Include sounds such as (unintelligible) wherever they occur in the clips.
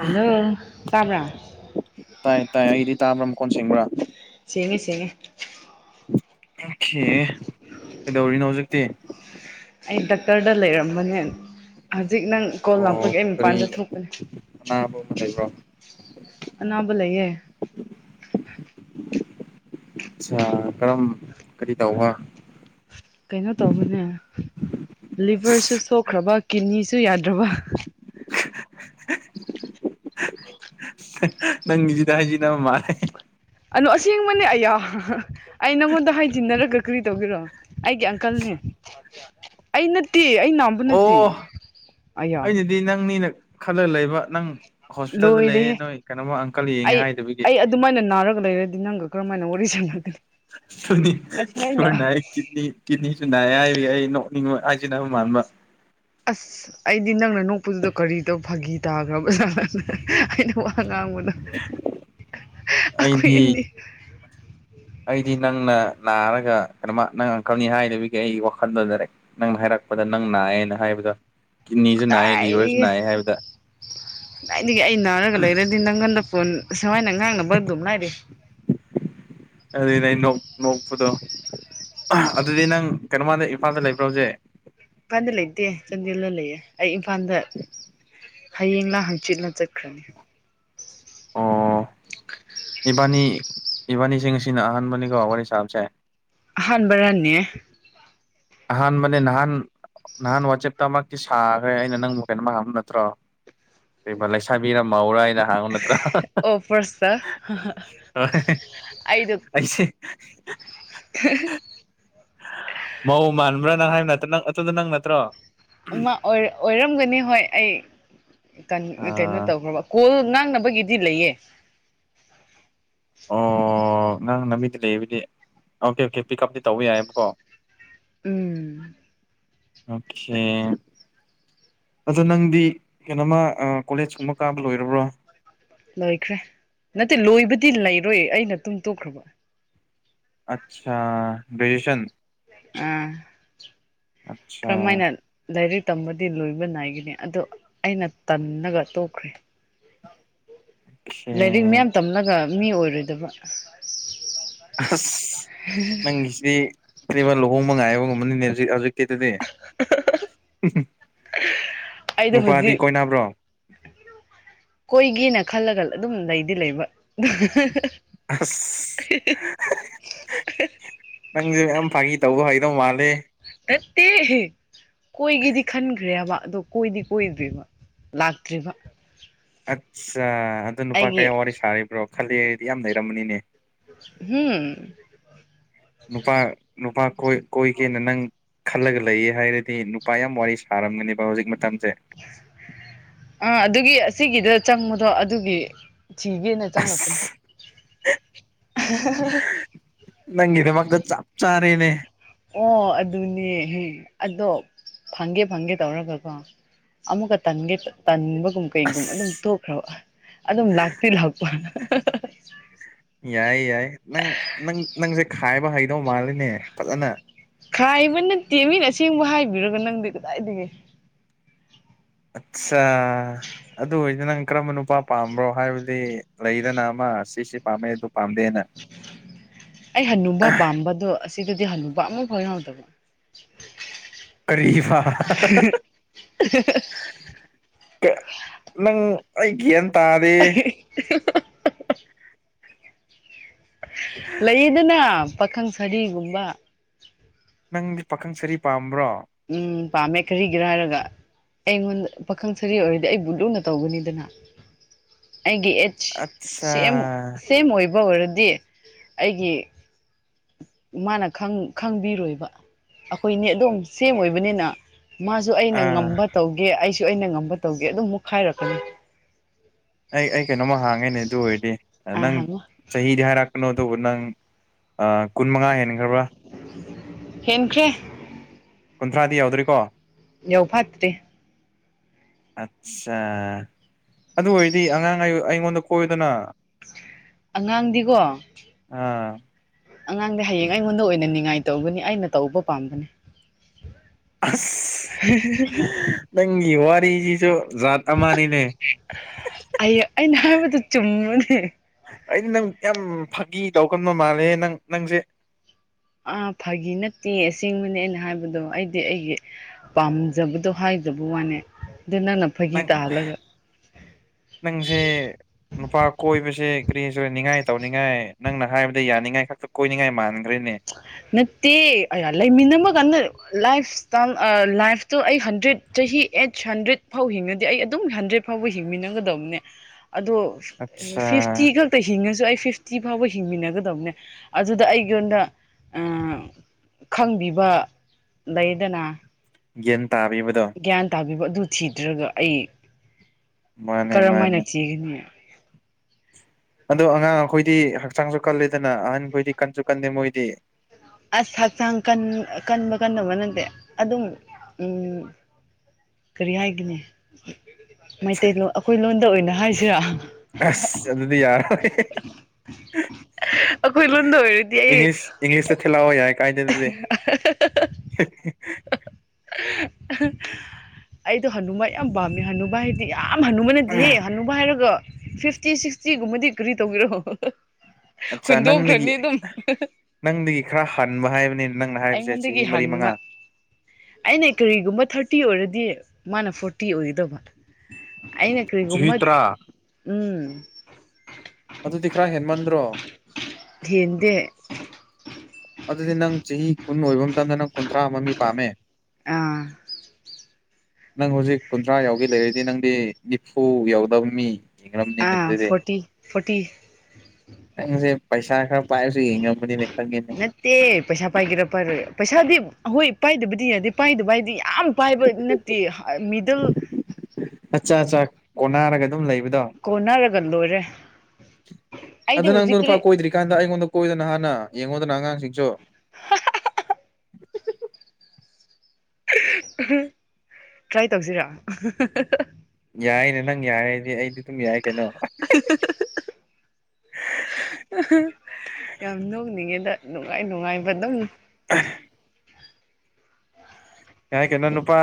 hello ꯇꯥꯕ꯭ꯔꯥ ꯇꯥꯏ ꯇꯥꯏ ꯑꯩꯗꯤ ꯇꯥꯕ꯭ꯔꯥ ꯀꯣꯟ ꯁꯦꯡꯕ꯭ꯔꯥ ꯁꯤꯉ ꯁꯤꯦꯡꯉ ꯀꯩꯗꯧꯔꯤꯅꯣ ꯍꯧꯖꯤꯛꯇꯤ ꯑꯩ ꯗꯀꯔꯗ ꯂꯩꯔꯝꯕꯅꯦ ꯍꯧꯖꯤꯛ ꯅꯪ ꯀꯣꯜ ꯂꯥꯛꯄꯒꯤ ꯑꯣ ꯑꯩ ꯃꯄꯥꯟꯗ ꯀꯔꯤ ꯊꯣꯛꯄꯅꯦ ꯑꯅꯥꯕ ꯑꯃ ꯂꯩꯕ꯭ꯔꯣ ꯑꯅꯥꯕ ꯂꯩꯌꯦ ꯑ ꯀꯔꯝ ꯀꯔꯤ ꯇꯧꯕ ꯀꯩꯅꯣ ꯇꯧꯕꯅꯦ ꯂꯤꯚꯔꯁꯨ ꯁꯣꯛꯈ꯭ꯔꯕ ꯀꯤꯅꯤꯁꯨ ꯌꯥꯗ꯭ꯔꯕ ꯅꯪꯖꯤꯗꯥꯖꯤꯅ ꯃꯥꯅꯦꯦ ꯑꯅꯣ ꯑꯁꯦꯡꯕꯅꯦ ꯑꯩꯌꯥ ꯑꯩ ꯅꯪꯉꯣꯟꯗ ꯍꯥꯏꯖꯤꯟꯅꯔꯒ ꯀꯔꯤ ꯇꯧꯒꯔꯣ ꯑꯩꯒꯤ ꯑꯪꯀꯜꯅꯦ ꯑꯩ ꯅꯠꯇꯦ ꯑꯩ ꯅꯥꯕ ꯅꯠꯇꯦ ꯑꯣ ꯑꯌꯥ ꯑꯩꯅꯗꯤ ꯅꯪꯅꯤꯅ ꯈꯜꯂ ꯂꯩꯕ ꯅꯪ ꯍꯣꯁꯄꯤꯇꯥꯜꯗ ꯂꯣꯏꯔꯦ ꯂꯩꯌꯦ ꯅꯣꯏ ꯀꯩꯅꯣꯃ ꯑꯪꯀꯜ ꯌꯦꯡꯉꯦ ꯑꯩ ꯍꯥꯏꯗꯕꯒꯤ ꯑꯩ ꯑꯗꯨꯃꯥꯏꯅ ꯅꯥꯔꯒ ꯂꯩꯔꯗꯤ ꯅꯪꯒ ꯀꯔꯝ ꯍꯥꯏꯅ ꯋꯥꯔꯤ ꯁ ꯊꯪꯒꯅꯤ ꯀꯅꯤ ꯀꯅꯤꯁꯨꯅꯅꯤꯡꯉ ꯑꯖꯤꯅ ꯃꯥꯟꯕꯕ ꯑꯁ ꯑꯩꯗꯤ ꯅꯪꯅ ꯅꯣꯛꯄꯗꯨꯗ ꯀꯔꯤꯗꯣ ꯐꯥꯒꯤ ꯇꯥꯈ꯭ꯔꯕꯖꯥ ꯑꯩꯅ ꯑꯉꯥꯡꯕꯗꯣ ꯑꯩꯈꯣꯏ ꯑꯩꯗꯤ ꯑꯅꯤ ꯑꯩꯗꯤ ꯅꯪꯅ ꯅꯥꯔꯒ ꯀꯩꯅꯣ ꯅꯪ ꯑꯪꯀꯜꯅꯤ ꯍꯥꯏꯗꯕꯤꯒꯤ ꯑꯩ ꯋꯥꯈꯜꯗꯖꯔꯦꯛ ꯅꯪꯅ ꯍꯥꯏꯔꯛꯄ ꯗ ꯅꯪ ꯅꯥꯑꯦꯅ ꯍꯥꯏꯕꯗꯣ ꯀꯤꯗꯅꯤꯁꯨ ꯅꯥꯏꯑꯦ ꯂꯤꯚꯔꯁꯨ ꯅꯥꯏꯑꯦ ꯍꯥꯏꯕꯗ ꯑꯩꯒꯤ ꯑꯩ ꯅꯥꯔꯒ ꯂꯩꯔꯗꯤ ꯅꯪꯒꯟꯗ ꯐꯣꯟ ꯁꯨꯃꯥꯏꯅ ꯉꯥꯡꯅꯕ ꯑꯗꯨꯝ ꯂꯥꯏꯔꯤꯦ ꯑꯗꯨ ꯅꯣꯛ ꯅꯣꯛꯄꯗꯣ ꯑꯗꯨꯗꯤ ꯅꯪ ꯀꯩꯅꯣꯝ ꯀꯥꯟꯗ ꯏꯝꯐꯥꯜꯗ ꯂꯩꯕ꯭ꯔꯣꯁꯦ ꯏꯝꯐꯥꯟꯗꯤ ꯂꯩꯇꯦ ꯆꯥꯟꯗꯦꯜꯗ ꯂꯩꯌꯦꯦ ꯑꯩ ꯏꯝꯐꯥꯜꯗ ꯍꯌꯦꯡꯂꯡꯂ ꯍꯪꯆꯤꯠꯅ ꯆꯠꯈ꯭ꯔꯅꯤ ꯑꯣ ꯏꯕꯥꯅꯤ ꯏꯕꯥꯅꯤꯁꯤꯡ ꯑꯁꯤꯅ ꯑꯍꯥꯟꯕꯅꯤꯀꯣ ꯋꯥꯔꯤ ꯁꯥꯕꯁꯦ ꯑꯍꯥꯟꯕ ꯔꯅꯦ ꯑꯍꯥꯟ ꯃꯅꯤ ꯅꯍꯥꯟ ꯅꯍꯥꯟ ꯋꯥꯆꯦꯞꯇ ꯑꯃꯛꯇꯤ ꯁꯥꯈ꯭ꯔꯦ ꯑꯩꯅ ꯅꯪ ꯃꯣꯀꯦꯟ ꯑꯃ ꯍꯥꯕ ꯅꯠꯇ꯭ꯔꯣ ꯀ ꯂꯩ ꯁꯕꯤꯔꯥꯎꯔꯥꯏ ꯌꯥ ꯎꯅꯠꯇ꯭ꯔ ꯑꯣ ꯐꯥꯔꯁꯇ ꯑꯩꯁꯦ ꯑꯍꯦꯍꯦ ꯃꯧ ꯃꯥꯟꯕ꯭ꯔꯥ ꯅꯪ ꯍꯥꯏꯕ ꯅꯠꯇ ꯅꯪ ꯑꯗꯨꯇꯗ ꯅꯪ ꯅꯠꯇ꯭ꯔꯣ ꯃꯥ ꯑꯣꯏꯔꯝꯒꯅꯤ ꯍꯣꯏ ꯑꯩ ꯀꯩꯅꯣ ꯑꯥ ꯇꯧꯈ꯭ꯔꯕ ꯀꯣꯜ ꯉꯥꯡꯅꯕꯒꯤꯗꯤ ꯂꯩꯌꯦ ꯑꯣ ꯉ ꯅꯥꯡ ꯅꯕꯤꯗꯤ ꯂꯩꯌꯦꯕꯨꯗꯤ ꯑꯣꯀꯦ ꯑꯣꯀꯦ ꯄꯤꯛ ꯑꯞꯇꯤ ꯇꯧꯕ ꯌꯥꯏꯑꯕꯀꯣ ꯎꯝ ꯑꯣꯦ ꯑꯗꯣ ꯅꯪꯗꯤ ꯀꯩꯅꯣꯃ ꯀꯣꯂꯦꯖ ꯀꯨꯝꯕ ꯀꯥꯕ ꯂꯣꯏꯔꯕ꯭ꯔꯣ ꯂꯣꯏꯈ꯭ꯔꯦ ꯅꯠꯇꯦ ꯂꯣꯏꯕꯗꯤ ꯂꯩꯔꯣꯏ ꯑꯩꯅ ꯇꯨꯡ ꯇꯣꯛꯈ꯭ꯔꯕ ꯑꯆꯥ ꯭ꯔꯦꯖꯁꯟ ꯑ ꯑꯠꯆꯥ ꯀ꯭ꯔꯃꯥꯏꯅ ꯔꯤ ꯇꯝꯕꯗꯤ ꯂꯣꯏꯕ ꯅꯥꯏꯒꯅꯤ ꯑꯗꯣ ꯑꯩꯅ ꯇꯒ ꯇꯣꯛꯈ꯭ꯔꯦ ꯑꯣꯀꯦ ꯂꯥꯏꯔꯤꯛ ꯃꯌꯥꯝ ꯇꯝꯂꯒ ꯃꯤ ꯑꯣꯏꯔꯣꯏꯗꯕ ꯑꯁ ꯅꯪꯒꯤꯁꯤꯗꯤ ꯀꯔꯤꯕ ꯂꯨꯍꯣꯡꯕ ꯉꯥꯏꯕ ꯉꯝꯝꯕꯅꯤꯅꯦ ꯍꯧꯖꯤꯛ ꯍꯧꯖꯤꯛ ꯀꯇꯗꯤ ꯑꯩꯗꯣ ꯍꯧꯖꯤꯛ ꯀꯣꯏꯒꯦꯅ ꯈꯜꯂ ꯈꯜ ꯑꯗꯨꯝ ꯂꯩꯗꯤ ꯂꯩꯕ ꯑꯁ ꯅꯪꯁꯨꯦ ꯃꯌꯥꯝ ꯐꯥꯉ ꯇꯧꯕ ꯍꯥꯏ ꯣ ꯃꯥꯅꯦ ꯅꯠꯇꯦ ꯀꯣꯏꯒꯦꯗꯤ ꯈꯟꯈ꯭ꯔꯦꯕ ꯑꯗꯣ ꯀꯣꯏꯗꯤ ꯀꯣꯏꯗ꯭ꯔꯤꯕ ꯂꯥꯛꯇ꯭ꯔꯤꯕ ꯑꯠꯆꯥ ꯑꯗꯨ ꯅꯨꯄꯥ ꯑꯩꯒꯤ ꯀꯌꯥ ꯋꯥꯔꯤ ꯁꯥꯔꯤꯕ꯭ꯔꯣ ꯈꯜꯂꯤꯗꯤ ꯌꯥꯝ ꯂꯩꯔꯝꯕꯅꯤꯅꯦ ꯎꯝ ꯅꯨꯄꯥ ꯅꯨꯄꯥ ꯀꯣꯏꯒꯦꯅ ꯅꯪ ꯈꯜꯂꯒ ꯂꯩꯌꯦ ꯍꯥꯏꯔꯗꯤ ꯅꯨꯄꯥ ꯌꯥꯝ ꯋꯥꯔꯤ ꯁꯥꯔꯝꯒꯅꯦꯕ ꯍꯧꯖꯤꯛ ꯃꯇꯝ ꯑꯥ ꯑꯗꯨꯒꯤ ꯑꯁꯤꯒꯤꯗ ꯆꯪꯕꯗꯣ ꯑꯗꯨꯒꯤ ꯆꯒꯦꯅꯦ ꯆꯪꯉꯄꯅꯤ ꯍ (inaudible) (unintelligible) ꯅꯪꯅꯦ ꯃꯒ ꯆꯞ ꯆꯥꯔꯦꯅꯦ ꯑꯣ ꯑꯗꯨꯅꯦꯍ ꯑꯗꯣ ꯐꯪꯒꯦ ꯐꯪꯒꯦ ꯇꯧꯔꯒꯀꯣ ꯑꯃꯨꯛꯀꯟꯒꯦ ꯇꯟ ꯨꯝ ꯀꯩꯒꯨꯝ ꯑꯗꯨꯝ ꯇ ꯑꯁ ꯊꯣꯛꯈ꯭ꯔꯕ ꯑꯗꯨꯝ ꯂꯥꯛꯇꯤ ꯂꯥꯛꯄ ꯌꯥꯏ ꯌꯥꯏ ꯅꯪ ꯅꯪ ꯅꯪꯁꯦ ꯈꯥꯏꯕ ꯍꯩꯗꯧ ꯃꯥꯜꯂꯤꯅꯦ ꯐꯖꯅ ꯈꯥꯏꯕ ꯅꯠꯇꯦ ꯃꯤꯅ ꯑꯁꯦꯡꯕ ꯍꯥꯏꯕꯤꯔꯒ ꯅꯪꯗꯤ ꯀꯗꯥꯏꯗꯒꯤꯒꯦ ꯑꯠꯆꯥ ꯑꯗꯨ ꯑꯣꯏꯗꯤ ꯅꯪ ꯀꯔꯝꯕ ꯅꯨꯄꯥ ꯄꯥꯝꯕ꯭ꯔꯣ ꯍꯥꯏꯕꯗꯤ ꯂꯩꯗꯅ ꯑꯃ ꯁꯤꯁꯤ ꯄꯥꯝꯃꯦ ꯄꯥꯝꯗꯦꯅ ꯑꯩ ꯍꯅꯨꯕ ꯄꯥꯝꯕꯗꯣ ꯁꯤꯗꯗꯤ ꯍꯜꯂꯨꯕ ꯑꯃꯛ ꯐꯥꯎ ꯉꯥꯎꯗꯕ ꯀꯔꯤꯐꯥ ꯅꯪ ꯑꯩ ꯒ꯭ꯌꯥꯟ ꯇꯥꯗꯦ (inaudible) (unintelligible) ꯂꯩꯗꯅ ꯄꯥꯈꯪ ꯁꯥꯔꯤꯒꯨꯝꯕ ꯅꯪꯗꯤ ꯄꯥꯈꯪ ꯁꯔꯤ ꯄꯥꯝꯕ꯭ꯔꯣ ꯎꯝ ꯄꯥꯝꯃꯦ ꯀꯔꯤꯒꯤꯔ ꯍꯥꯏꯔꯒ ꯑꯩꯉꯣꯟꯗ ꯄꯥꯈꯪ ꯁꯔꯤ ꯑꯣꯏꯔꯗꯤ ꯑꯩꯕꯨ ꯂꯨꯅ ꯇꯧꯒꯅꯤꯗꯅ (inaudible) (unintelligible) ꯑꯩꯒꯤ ꯑꯦꯖ ꯑꯠꯆꯥ ꯁꯦꯝ ꯁꯦꯝ ꯑꯣꯏꯕ ꯑꯣꯏꯔꯗꯤ ꯑꯩꯒꯤ ꯃꯥꯅ ꯈꯪꯕꯤꯔꯣꯏꯕ ꯑꯩꯈꯣꯏꯅꯦ ꯑꯗꯨꯝ ꯁꯦꯝꯃ ꯑꯣꯏꯕꯅꯤꯅ ꯃꯥꯁꯨ ꯑꯩꯅ ꯑꯥ ꯉꯝꯕ ꯇꯧꯒꯦ ꯑꯩꯁꯨ ꯑꯩꯅ ꯉꯝꯕ ꯇꯧꯒꯦ ꯑꯗꯨꯝ ꯃꯨꯛ ꯈꯥꯏꯔꯛꯀꯅꯤ ꯑꯩ ꯑꯩ ꯀꯩꯅꯣꯝꯃ ꯍꯥꯡꯉꯦꯅꯦ ꯑꯗꯨ ꯑꯣꯏꯔꯗꯤ ꯑꯥ ꯅꯪ ꯍꯪꯉꯣ ꯆꯍꯤꯗꯤ ꯍꯥꯏꯔꯛꯄꯅꯣ ꯑꯗꯨꯕꯨ ꯅꯪ ꯀꯨꯟ ꯃꯉꯥ ꯍꯦꯟꯈ꯭ꯔꯕ꯭ꯔꯥ ꯍꯦꯟꯈ꯭ꯔꯦ ꯀꯨꯟꯊ꯭ꯔꯥꯗꯤ ꯌꯥꯎꯗ꯭ꯔꯤꯀꯣ ꯌꯧ ꯐꯠꯇꯔꯤ ꯑꯆꯥ ꯑꯗꯨ ꯑꯣꯏꯔꯗꯤ ꯑꯉꯥꯡ ꯑꯩꯉꯣꯟꯗ ꯀꯣꯏꯗꯅ ꯑꯉꯥꯡꯗꯤꯀꯣ ꯑꯥ ꯑꯉꯥꯡꯗꯤ ꯍꯌꯦꯡ ꯑꯩꯉꯣꯟꯗ ꯑꯣꯏꯅ ꯉꯥꯏ ꯇꯧꯧꯕꯅꯤ ꯑꯩꯅ ꯇꯧꯕ ꯄꯥꯝꯕꯅꯦ ꯑ ꯅꯪꯒꯤ ꯋꯥꯔꯤꯁꯤꯁꯨ ꯖꯥꯠ ꯑꯃꯅꯤꯅꯦ ꯑꯩ ꯑꯩꯅ ꯍꯥꯏꯕꯗ ꯆꯨꯝꯃꯅꯤ ꯑꯩꯅ ꯅꯪ ꯌꯥꯝ ꯐꯥꯒꯤ ꯇꯧꯒꯟꯕ ꯃꯥꯜꯂꯦ ꯅꯪ ꯅꯪꯁꯦ ꯑꯥ ꯐꯥꯒꯤ ꯅꯠꯇꯦ ꯑꯁꯦꯡꯕꯅꯦꯅ ꯍꯥꯏꯕꯗꯣ ꯑꯩꯗꯤ ꯑꯩꯒꯤ ꯄꯥꯝꯖꯕꯗꯣ ꯍꯥꯏ ꯖꯕ ꯋꯥꯅꯦ ꯑꯗꯨ ꯅꯪꯅ ꯐꯥꯒꯤ ꯅꯪ ꯇꯥꯍꯜꯂꯒ ꯅꯪꯁꯦ ꯅꯨꯄꯥ ꯀꯣꯏꯕꯁꯦ ꯀ꯭ꯔꯤꯁꯨ ꯅꯤꯡꯉꯥꯏ ꯇꯧꯅꯤꯡꯉꯥꯏ ꯅꯪꯅ ꯍꯥꯏꯕꯗ ꯌꯥꯅꯤꯡꯉꯥꯏ ꯈꯛꯇ ꯀꯣꯏꯅꯤꯡꯉꯥꯏ ꯃꯥꯟꯒ ꯅꯠꯇꯦꯍꯜ ꯂꯩ ꯃꯤꯅꯃ ꯀꯅ ꯂꯥꯏꯐ ꯏꯁꯇ ꯂꯥꯏꯐꯇꯨ ꯑꯩ ꯍꯟꯗ꯭ꯔꯦꯠ ꯆꯍꯤ ꯑꯩꯠ ꯍꯟꯗ꯭ꯔꯦꯠ ꯐꯥꯎ ꯍꯤꯡꯉꯗꯤ ꯑꯩ ꯑꯗꯨꯝ ꯍꯟꯗ꯭ꯔꯦꯠ ꯐꯥꯎꯕ ꯍꯤꯡꯒꯗꯕꯅꯦ ꯑꯗꯣ ꯑꯠꯆꯥ ꯐꯤꯇꯤ ꯈꯛꯇ ꯍꯤꯡꯉꯁꯨ ꯐꯤꯐꯇꯤ ꯐꯥꯎꯕ ꯍꯤꯡꯃꯤꯟꯅꯒꯗꯕꯅꯦ ꯑꯗꯨꯗ ꯑꯩꯉꯣꯟꯗ ꯈꯪꯕꯤꯕ ꯂꯩꯗꯅ ꯒ꯭ꯟ ꯇꯥꯕꯤꯕꯗꯣ ꯒ꯭ꯌꯥꯟ ꯇꯥꯕꯤꯕ ꯑꯗꯨ ꯊꯤꯗ꯭ꯔꯒ ꯑꯩ ꯃꯥꯅꯦ ꯀꯔꯝ ꯍꯥꯏꯅ ꯃꯥꯅꯦ ꯊꯤꯒꯅꯤ ꯑꯗꯣ ꯑꯉꯥꯡ ꯑꯩꯈꯣꯏꯗꯤ ꯍꯛꯆꯥꯡꯁꯨ ꯀꯂꯦꯗꯅ ꯑꯍꯟꯈꯣꯏꯗꯤ ꯀꯟꯁꯨ ꯀꯟꯗꯦ ꯃꯣꯏꯗꯤ ꯑꯁ ꯍꯛꯆꯥꯡ ꯀ ꯀꯟꯕ ꯀꯟꯕ ꯅꯠꯇꯦ ꯑꯗꯨꯝ ꯎꯝ ꯀꯔꯤ ꯍꯥꯏꯒꯅꯦ ꯃꯩꯇꯩꯂꯣꯟ ꯑꯩꯈꯣꯏ ꯂꯣꯟꯗ ꯑꯣꯏꯅ ꯍꯥꯏꯁꯤꯔ ꯑꯁ ꯑꯗꯨꯗꯤ (unintelligible) ꯑꯩꯈꯣꯏ ꯂꯨꯅꯗꯧꯔꯗꯤ ꯑꯩ ꯏꯪꯂꯤꯁ ꯏꯪꯂꯤꯁꯇ ꯊꯤꯜꯂꯛꯑꯣ ꯌꯥꯏ ꯀꯥꯏꯗꯦ ꯑꯗꯨꯗꯤ (unintelligible) ꯑꯩꯗꯣ ꯍꯅꯨꯃꯥꯏ ꯌꯥꯝ ꯄꯥꯝꯃꯦ ꯍꯅꯨꯃꯥꯏ ꯍꯥꯏ ꯌꯥꯝ ꯍꯟꯅꯨꯕ ꯅꯠꯇꯦꯍꯦ ꯍꯟꯅꯨꯕ ꯍꯥꯏꯔꯒ ꯐꯤꯐꯇꯤ ꯁꯤꯛꯁꯇꯤꯒꯨꯝꯕꯗꯤ ꯀꯔꯤ ꯇꯧꯕꯤꯔꯣ ꯑꯠꯆꯥ ꯅꯪꯗꯒꯤ ꯍꯨꯟꯗꯣꯛꯈ꯭ꯔꯅꯤ ꯑꯗꯨꯝ ꯅꯪꯗꯒꯤ ꯈꯔ ꯍꯟꯕ ꯍꯥꯏꯕꯅꯤ ꯅꯪꯅ ꯍꯥꯏꯕꯁꯦ ꯑꯩꯉꯣꯟꯗꯒꯤ ꯆꯍꯤ ꯍꯥꯟ ꯃꯔꯤ ꯃꯉꯥ ꯑꯩꯅ ꯀꯔꯤꯒꯨꯝꯕ ꯊꯥꯔꯇꯤ ꯑꯣꯏꯔꯗꯤ ꯃꯥꯅ ꯐꯣꯔꯇꯤ ꯑꯣꯏꯒꯗꯕ ꯑꯩꯅ ꯀꯔꯤꯒꯨꯝꯕ ꯆꯍꯤ ꯇꯔꯥ ꯎꯝ ꯎ ꯑꯗꯨꯗꯤ ꯈꯔ ꯍꯦꯟꯃꯟꯗ꯭ꯔꯣ ꯍꯦꯟꯗꯦ ꯑꯗꯨꯗꯤ ꯅꯪ ꯆꯍꯤ ꯀꯨꯟ ꯑꯣꯏꯕ ꯃꯇꯝꯗ ꯅꯪ ꯀꯨꯟꯊ꯭ꯔꯥ ꯃ ꯃꯤ ꯄꯥꯝꯃꯦ ꯑꯥ ꯅꯪ ꯍꯧꯖꯤꯛ ꯀꯨꯟꯊ꯭ꯔꯥ ꯌꯥꯎꯒꯤ ꯂꯩꯔꯤꯗꯤ ꯅꯪꯗꯤ ꯅꯤꯐꯨ ꯌꯥꯎꯗꯕ ꯃꯤ ꯑꯥ ꯃꯤꯗꯔꯦ ꯐꯣꯔꯇꯤ ꯐꯣꯔꯇꯤ ꯅꯪꯁꯦ ꯄꯩꯁꯥ ꯈꯔ ꯄꯥꯏꯔꯁꯨ ꯌꯦꯡꯉꯕꯅꯤꯅꯦ ꯈꯪꯉꯦꯅꯦ ꯅꯠꯇꯦ ꯑꯍꯣꯏ ꯏ ꯄꯥꯏꯗꯨꯕꯨꯗꯤ ꯌꯥꯗꯦ ꯄꯥꯏꯗꯨꯕ ꯍꯥꯏꯗꯤ ꯌꯥꯝ ꯄꯥꯏꯕ ꯅꯠꯇꯦ ꯃꯤꯗꯜ ꯃꯆꯥ ꯆꯥ ꯀꯣꯟꯅꯔꯒ ꯑꯗꯨꯝ ꯂꯩꯕꯗꯣ ꯀꯅꯥꯔꯒꯟꯗꯣꯔꯦ ꯑꯗꯨ ꯅꯪꯗꯣ ꯅꯨꯄꯥ ꯀꯣꯏꯗ꯭ꯔꯤꯀꯥꯟꯗ ꯑꯩꯉꯣꯟꯗ ꯀꯣꯏꯗꯅ ꯍꯥꯟꯅ ꯌꯦꯡꯉꯣꯗꯅ ꯑꯉꯥꯡꯁꯤꯡꯁꯨ (unintelligible) ꯇ꯭ꯔꯥꯏ ꯇꯧꯁꯤꯔ ꯌꯥꯏꯅꯦ ꯅꯪ ꯌꯥꯏꯔꯗꯤ ꯑꯩꯗꯤ ꯑꯗꯨꯝ ꯌꯥꯏ ꯀꯩꯅꯣ ꯌꯥꯝ ꯅꯣꯛꯅꯤꯡꯉꯦꯗ ꯅꯨꯡꯉꯥꯏ ꯅꯨꯡꯉꯥꯏꯕ ꯑꯗꯨꯝ (unintelligible) ꯌꯦ ꯀꯟꯅ ꯅꯨꯄꯥ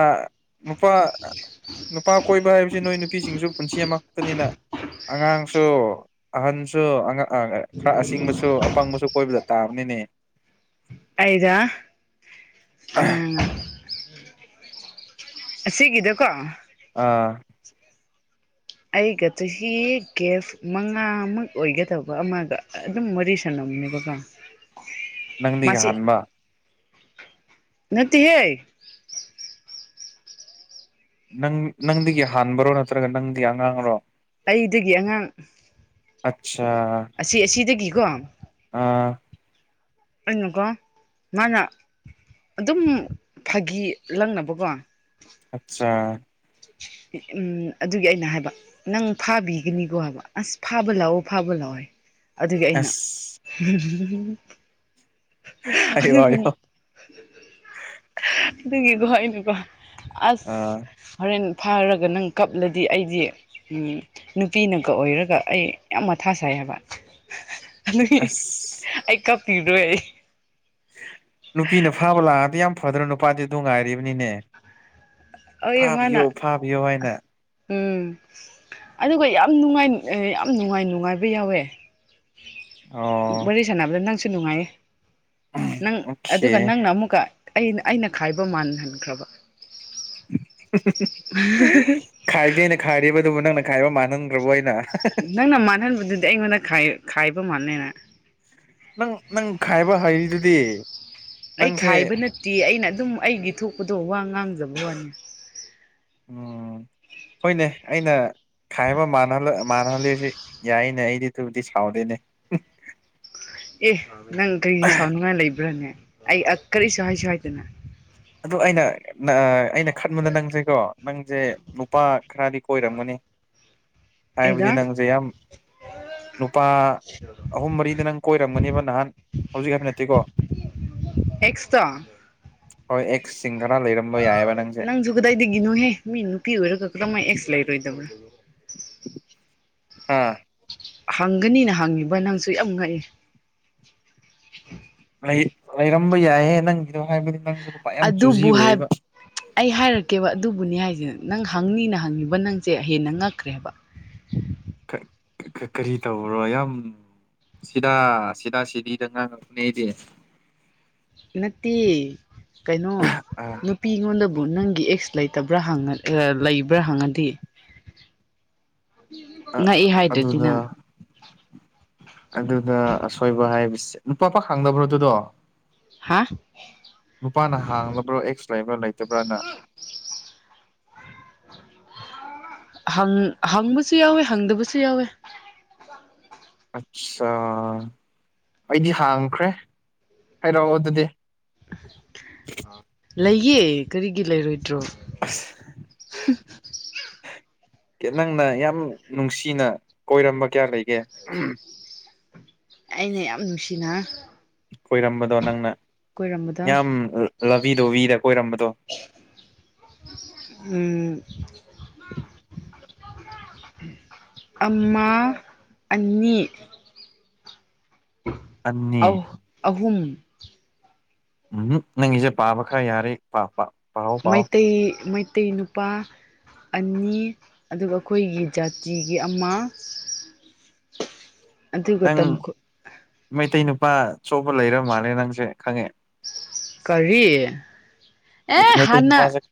ꯅꯨꯄꯥ ꯅꯨꯄꯥ ꯀꯣꯏꯕ ꯍꯥꯏꯕꯁꯤ ꯅꯣꯏ ꯅꯨꯄꯤꯁꯤꯡꯁꯨ ꯄꯨꯟꯁꯤ ꯑꯃꯛꯇꯅꯤꯅ ꯑꯉꯥꯡꯁꯨ ꯑꯍꯟꯁꯨ ꯈꯔ ꯑꯁꯤꯡꯕꯁꯨ ꯑꯄꯪꯕꯁꯨ ꯀꯣꯏꯕꯗ ꯇꯥꯕꯅꯤꯅꯦ ꯑꯩꯗ ꯑ ꯁꯤꯒꯗꯀꯣ ꯑꯥ ꯑꯩꯒ ꯆꯍꯤ ꯀꯒꯦꯐ ꯃꯉꯥꯃꯨꯛ ꯑꯣꯏꯒꯗꯕ ꯑꯃꯒ ꯑꯗꯨꯝ ꯋꯥꯔꯤ ꯁꯅꯨ ꯊꯝꯃꯤꯗꯀ ꯅꯪꯗꯤ ꯀꯍꯥꯟꯕ ꯅꯠꯇ ꯍꯦ ꯅꯪ ꯅꯪꯗꯒꯤ ꯍꯥꯟꯕꯔꯣ ꯅꯠꯇ꯭ꯔꯒ ꯅꯪꯗꯤ ꯑꯉꯥꯡꯔꯣ ꯑꯩꯗꯒꯤ ꯑꯉꯥꯡ ꯑꯠꯆꯥ ꯑꯁꯤ ꯑꯁꯤꯗꯒꯤꯀꯣ ꯑꯥ ꯑꯣꯏꯅꯀꯣ ꯃꯥꯅ ꯑꯗꯨꯝ ꯐꯥꯒꯤ ꯂꯪꯅꯕꯀꯣ ꯑꯆꯥ ꯎꯝ ꯑꯗꯨꯒꯤ ꯑꯩꯅ ꯍꯥꯏꯕ ꯅꯪ ꯐꯥꯕꯤꯒꯅꯤꯀꯣ ꯍꯥꯏꯕ ꯑꯁ ꯐꯥꯕ ꯂꯥꯛꯑꯣ ꯐꯥꯕ ꯂꯥꯛꯑꯣ ꯇꯦ ꯑꯗꯨꯒꯤ ꯑꯩꯅ ꯑꯁ ꯑꯣ ꯑꯗꯨꯒꯤ ꯑꯣ ꯑꯗꯨꯒꯤꯀꯣ ꯑꯩꯅꯀꯣ ꯑꯁ ꯑꯥ ꯍꯣꯔꯦꯟ ꯐꯥꯔꯒ ꯅꯪ ꯀꯞꯂꯗꯤ ꯑꯩꯗꯤ ꯅꯨꯄꯤꯅꯒ ꯑꯣꯏꯔꯒ ꯑꯩ ꯌꯥꯝ ꯃꯊꯥ ꯁꯥꯏ ꯕ ꯑꯗꯨꯒꯤ ꯑꯁ ꯑꯩ ꯀꯞꯄꯤꯗꯣꯏ ꯑꯩ ꯅꯨꯄꯤꯅ ꯐꯥꯕ ꯂꯥꯛꯑꯗꯤ ꯌꯥꯝ ꯐꯗ꯭ꯔ ꯅꯨꯄꯥꯗꯤ ꯑꯗꯨ ꯉꯥꯏꯔꯤꯕꯅꯤꯅꯦ ꯑꯩ ꯃꯥꯅ ꯐꯥꯕꯤꯌꯣ ꯐꯥꯕꯤꯌꯣ ꯍꯥꯏꯅ ꯎꯝ ꯑꯗꯨꯒ ꯌꯥꯝ ꯅꯨꯡꯉꯥꯏ ꯌꯥꯝ ꯅꯨꯡꯉꯥꯏ ꯅꯨꯡꯉꯥꯏꯕ ꯌꯥꯎꯋꯦ ꯑꯣ ꯋꯥꯔꯤꯔꯤ ꯁꯥꯟꯅꯕꯗ ꯅꯪꯁꯨ ꯅꯨꯡꯉꯥꯏꯌꯦ ꯅꯪ ꯑꯣꯀꯦ ꯑꯗꯨꯒ ꯅꯪꯅ ꯑꯃꯨꯛꯀ ꯑ ꯑꯩꯅ ꯈꯥꯏꯕ ꯃꯥꯟꯍꯟꯈ꯭ꯔꯕ ꯈꯥꯏꯕꯗꯤ ꯑꯩꯅ ꯈꯥꯏꯔꯤꯕ ꯑꯗꯨꯕꯨ ꯅꯪꯅ ꯈꯥꯏꯕ ꯃꯥꯟꯍꯟꯈ꯭ꯔꯕꯣ ꯑꯩꯅ ꯅꯪꯅ ꯃꯥꯟꯍꯟꯕꯗꯨꯗꯤ ꯑꯩꯉꯣꯟꯗ ꯈꯥꯏꯕ ꯃꯥꯟꯅꯩꯔ ꯅꯪ ꯅꯪ ꯈꯥꯏꯕ ꯍꯩꯅꯤꯗꯨꯗꯤ ꯑꯩ ꯈꯥꯏꯕ ꯅꯠꯇꯦ ꯑꯩꯅ ꯑꯗꯨꯝ ꯑꯩꯒꯤ ꯊꯣꯛꯄꯗꯣ ꯋꯥ ꯉꯥꯡꯖꯕ ꯋꯥꯅꯤ ꯎꯝ ꯍꯣꯏꯅꯦ ꯑꯩꯅ ꯈꯥꯏꯕꯍ ꯃꯥꯟꯅꯍꯜꯂꯦꯁꯨ ꯌꯥꯏꯅꯦ ꯑꯩꯗꯤ ꯑꯗꯨꯕꯨꯗꯤ ꯁꯥꯎꯔꯦꯅꯦ ꯑꯦ ꯅꯪ ꯀꯔꯤ ꯁꯥꯎꯅꯉꯥꯏ ꯂꯩꯕ꯭ꯔꯥꯅꯦ ꯑꯩ ꯀꯔꯤꯁꯨ ꯍꯥꯏꯁꯨ ꯍꯥꯏꯗꯅ ꯑꯗꯨ ꯑꯩꯅ ꯑꯩꯅ ꯈꯟꯕꯗ ꯅꯪꯁꯦꯀꯣ ꯅꯪꯁꯦ ꯅꯨꯄꯥ ꯈꯔꯗꯤ ꯀꯣꯏꯔꯝꯒꯅꯤ ꯍꯥꯏꯥꯏꯕꯗꯤ ꯑꯩꯗ ꯅꯪꯖꯩ ꯅꯨꯄꯥ ꯑꯍꯨꯝ ꯃꯔꯤꯗ ꯅꯪ ꯀꯣꯏꯔꯝꯒꯅꯦꯕ ꯅꯍꯥꯟ ꯍꯧꯖꯤꯛ ꯍꯥꯏꯐ ꯅꯠꯇꯦꯀꯣ (inaudible) ꯑꯦꯇꯣ ꯍꯣꯏ ꯑꯦꯛꯁ ꯅꯪꯁꯨ ꯀꯗꯥꯏꯗꯒꯤꯅꯣꯍꯦ ꯃꯤ ꯅꯨꯄꯤ ꯑꯣꯏꯔꯒꯛꯇ ꯃꯥ ꯑꯦꯛꯁ ꯂꯩꯔꯣꯏꯗꯕ꯭ꯔꯥ ꯑꯥ ꯍꯪꯒꯅꯤꯅ ꯍꯪꯉꯤꯕ ꯅꯪꯁꯨ ꯌꯥꯝ ꯉꯛꯑꯦ ꯂꯩꯔꯝꯕ ꯌꯥꯏꯍꯦ ꯅꯪ ꯑꯗꯨꯕꯨ ꯑꯩ ꯍꯥꯏꯔꯛꯀꯦꯕ ꯑꯗꯨꯕꯨꯅꯤ ꯍꯥꯏꯁꯦ ꯅꯪ ꯍꯪꯅꯤꯅ ꯍꯪꯉꯤꯕ ꯅꯪꯁꯦ ꯍꯦꯟꯅ ꯉꯛꯈ꯭ꯔꯦꯕ ꯀꯔꯤ ꯇꯣ ꯌꯥꯝ ꯁꯤꯗ ꯁꯤꯗ ꯁꯤꯗꯤꯗ ꯉꯥꯡꯉꯅꯦ ꯑꯩꯗꯤ ꯅꯠꯇꯦ ꯀꯩꯅꯣ ꯑꯥ ꯅꯨꯄꯤꯉꯣꯟꯗ ꯅꯪꯒꯤ ꯑꯦꯛꯁ ꯂꯩꯇꯕ꯭ꯔꯥ ꯂꯩꯕ꯭ꯔꯥ ꯍꯪꯉꯗꯤ ꯉꯛꯏ ꯑꯗꯨꯗ ꯍꯥꯏꯗꯨꯗꯤꯅꯪ ꯑꯗꯨꯗ ꯑꯁꯣꯏꯕ ꯍꯥꯏꯕꯁꯦ ꯅꯨꯄꯥ ꯄ ꯈꯪꯗꯕ꯭ꯔꯣ ꯑꯗꯨꯗꯣ ꯍꯥ ꯅꯨꯄꯥꯅ ꯍꯥꯡꯂꯕ꯭ꯔꯥ ꯑꯦꯛꯁ ꯂꯩꯕ꯭ꯔꯥ ꯂꯩꯇꯕ꯭ꯔꯅ ꯍꯪ ꯍꯪꯕꯨꯁꯨ ꯌꯥꯎꯋꯦ ꯍꯪꯗꯕꯨꯁꯨ ꯌꯥꯎꯋꯦ ꯑꯠꯆꯥꯥ ꯑꯩꯗꯤ ꯍꯥꯡꯈ꯭ꯔꯦ ꯍꯥꯏꯔꯛꯑꯣ ꯑꯗꯨꯗꯤ ꯂꯩꯌꯦꯦ ꯀꯔꯤꯒꯤ ꯂꯩꯔꯣꯏꯗ ꯇꯣ ꯑꯁ ꯀ ꯅꯪꯅ ꯌꯥꯝ ꯅꯨꯡꯁꯤꯅ ꯀꯣꯏꯔꯝꯕ ꯀꯌꯥ ꯂꯩꯒꯦ ꯑꯩꯅ ꯌꯥꯝ ꯅꯨꯡꯁꯤꯅ ꯈꯣꯏꯔꯝꯕꯗꯣ ꯅꯪꯅ ꯀꯣꯏꯔꯝꯕꯗ ꯂꯕꯤꯗꯣ ꯕꯤꯗ ꯀꯣꯏꯔꯝꯕꯗꯣ ꯎꯝ ꯑꯃ ꯑꯅꯤ ꯑ ꯑꯅꯤ ꯑꯍꯨꯝ ꯎꯝ ꯅꯪꯒꯤꯁꯦ ꯄꯥꯕ ꯈꯔ ꯌꯥꯔꯦ ꯄꯥ ꯄ ꯃꯩꯇꯩ ꯃꯩꯇꯩ ꯅꯨꯄꯥ ꯑꯅꯤ ꯑꯗꯨꯒ ꯑꯩꯈꯣꯏꯒꯤ ꯖꯥꯇꯤꯒꯤ ꯑꯃ ꯑꯗꯨꯒ ꯅꯪ ꯇꯝꯀꯣ ꯃꯩꯇꯩ ꯅꯨꯄꯥ ꯆꯣꯄ ꯂꯩꯔ ꯃꯥꯜꯂꯦ ꯅꯪꯁꯦ ꯈꯪꯉꯦ ꯀꯔꯤꯌꯦ ꯑꯦ ꯃꯩꯇꯩ ꯍꯅ ꯅꯨꯄꯥꯁꯦ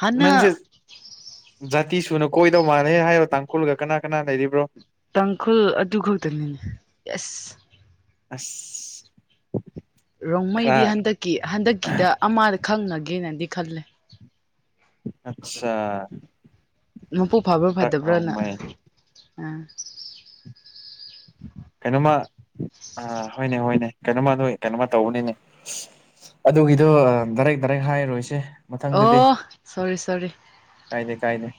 ꯍꯅ ꯅꯪꯁꯦ ꯖꯥꯇꯤ ꯁꯨꯅ ꯀꯣꯏꯗꯧ ꯃꯥꯜꯂꯦ ꯍꯥꯏꯔꯣ ꯇꯥꯡꯈꯨꯜꯒ ꯀꯅꯥ ꯀꯅꯥ ꯂꯩꯔꯤꯕ꯭ꯔꯣ ꯇꯥꯡꯈꯨꯜ ꯑꯗꯨ ꯈꯛꯇꯅꯤꯅꯦ ꯌꯦꯁ ꯑꯁ ꯈꯔ ꯔꯣꯡꯃꯩꯗꯤ ꯍꯟꯗꯛꯀꯤ ꯍꯟꯗꯛꯀꯤꯗ ꯑꯃꯗ ꯈꯪꯉꯒꯦꯅꯗꯤ ꯈꯜꯂꯦ ꯑꯆꯥ ꯃꯄꯨ ꯐꯥꯕ꯭ꯔꯥ ꯐꯗꯕ꯭ꯔꯥꯅ ꯑꯥ ꯀꯩꯅꯣꯃ ꯑ ꯍꯣꯏꯅꯦ ꯍꯣꯏꯅꯦ ꯀꯩꯅꯣꯃ ꯑꯗꯨ ꯀꯩꯅꯣꯃ ꯇꯧꯕꯅꯤꯅꯦ ꯑꯗꯨꯒꯤꯗꯣ ꯗꯥꯔ ꯐꯔꯦꯛ ꯍꯥꯏꯔꯣꯏꯁꯦ ꯃꯊꯪꯗꯗꯤ ꯑꯣ ꯁꯣꯔꯤ ꯁꯣꯔꯤ ꯀꯥꯏꯅꯦ